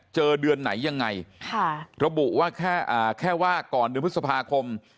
เจอเดือนไหนยังไงค่ะระบุว่าแค่ว่าก่อนเดือนพฤษภาคม